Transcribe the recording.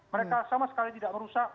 mereka sama sekali tidak merusak